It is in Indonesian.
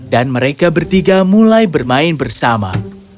dan mereka bertiga mulai bermain bersama